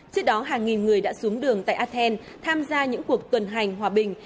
trước đó hàng nghìn người đã xuống đường tại athens tham gia những cuộc tuần hành hòa bình